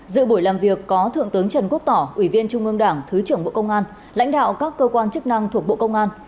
dự buổi làm việc có thượng tướng trần quốc tỏ ủy viên trung ương đảng thứ trưởng bộ công an lãnh đạo các cơ quan chức năng thuộc bộ công an